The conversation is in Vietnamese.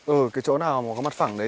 ừ cái chỗ nào mà có mặt phẳng đấy